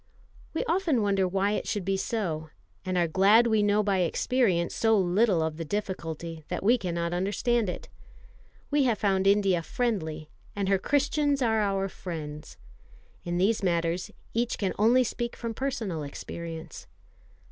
We often wonder why it should be so, and are glad we know by experience so little of the difficulty, that we cannot understand it. We have found India friendly, and her Christians are our friends. In these matters each can only speak from personal experience.